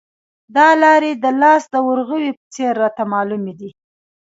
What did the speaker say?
دا لارې د لاس د ورغوي په څېر راته معلومې دي.